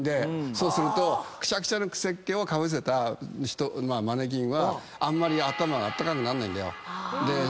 そうするとくしゃくしゃのくせっ毛をかぶせたマネキンはあんまり頭があったかくなんないんだよ。